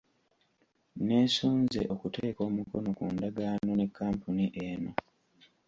Neesunze okuteeka omukono ku ndagaano ne kkampuni eno.